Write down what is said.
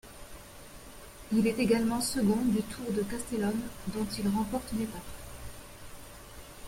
Il est également second du Tour de Castellón, dont il remporte une étape.